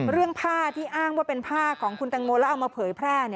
เรื่องผ้าที่อ้างว่าเป็นผ้าของคุณตังโมแล้วเอามาเผยแพร่